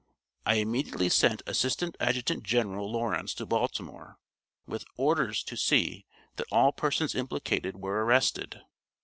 I immediately sent Assistant Adjutant General Lawrence to Baltimore with orders to see that all persons implicated were arrested.